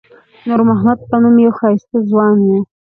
د نور محمد په نوم یو ښایسته ځوان و.